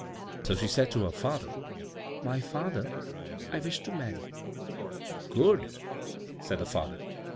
So she said to her father, "My father; I wish to marry." "Good," said her father.